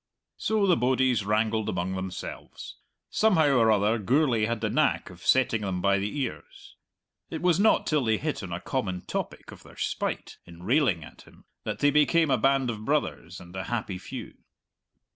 So the bodies wrangled among themselves. Somehow or other Gourlay had the knack of setting them by the ears. It was not till they hit on a common topic of their spite in railing at him that they became a band of brothers and a happy few.